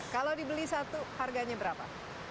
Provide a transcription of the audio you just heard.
kalau dibeli satu harganya berapa